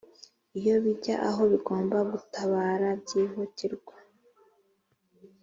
iyo bijya aho bigomba gutabara byihutirwa